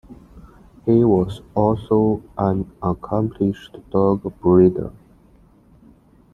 He was also an accomplished dog breeder.